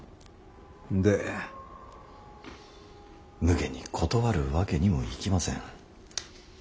むげに断るわけにもいきません。